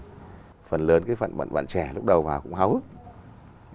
còn phần lớn cái phần bạn trẻ lúc đầu vào cũng hóa ước